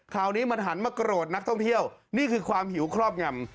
คราวนี้มันหันมาโกรธนักท่องเที่ยวนี่คือความหิวครอบงำ